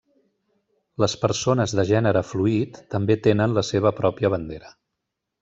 Les persones de gènere fluid també tenen la seva pròpia bandera.